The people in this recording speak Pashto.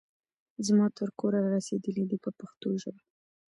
زما تر کوره را رسېدلي دي په پښتو ژبه.